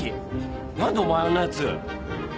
何でお前あんなヤツ。